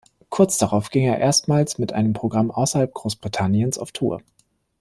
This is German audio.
Kurz darauf ging er erstmals mit einem Programm außerhalb Großbritanniens auf Tour.